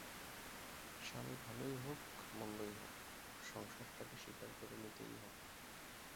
স্বামী ভালোই হোক, মন্দই হোক, সংসারটাকে স্বীকার করে নিতেই হবে।